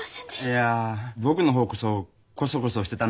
いや僕の方こそコソコソしてたのがいけないんですから。